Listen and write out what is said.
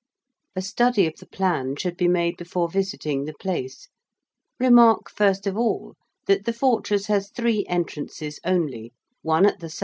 A study of the plan should be made before visiting the place. Remark first of all that the fortress has three entrances only: one at the S.W.